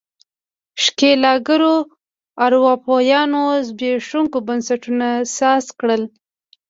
ښکېلاکګرو اروپایانو زبېښونکو بنسټونو ساز کړل.